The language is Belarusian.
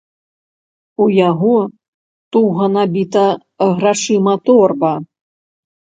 У яго туга набіта грашыма торба.